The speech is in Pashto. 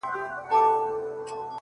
خپل د لاس څخه اشـــنــــــا؛